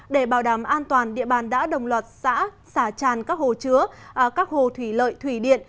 để bảo đảm an toàn địa bàn đã đồng loạt xã xả tràn các hồ chứa các hồ thủy lợi thủy điện